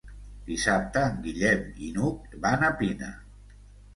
Dissabte en Guillem i n'Hug van a Pina.